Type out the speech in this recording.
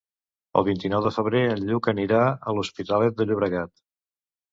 El vint-i-nou de febrer en Lluc anirà a l'Hospitalet de Llobregat.